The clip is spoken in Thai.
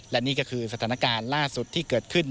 และนี่ก็คือสถานการณ์ล่าสุดที่เกิดขึ้น